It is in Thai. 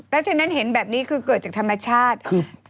แล้วฉะนั้นเห็นแบบนี้คือเกิดจากธรรมชาติ